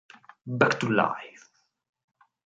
Back to Life